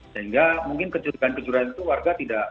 sehingga mungkin kecurigaan kecurigaan itu warga tidak